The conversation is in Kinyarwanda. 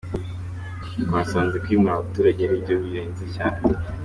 Twasanze kwimura abaturage ari byo bihenze cyane.